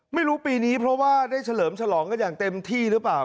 ไม่รู้ปีนี้เพราะว่าได้เฉลิมฉลองกันอย่างเต็มที่หรือเปล่า